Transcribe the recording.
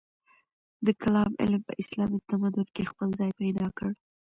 د کلام علم په اسلامي تمدن کې خپل ځای پیدا کړ.